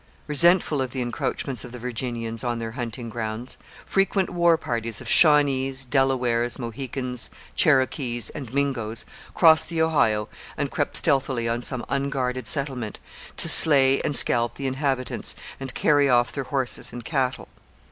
Resentful of the encroachments of the Virginians on their hunting grounds, frequent war parties of Shawnees, Delawares, Mohicans, Cherokees, and Mingoes crossed the Ohio and crept stealthily on some unguarded settlement, to slay and scalp the inhabitants and carry off their horses and cattle.